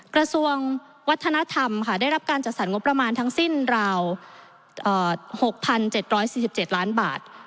กระทรวงวัฒนธรรมค่ะได้รับการจัดสรรงบประมาณทั้งสิ้นราว๖๗๔๗ล้านบาท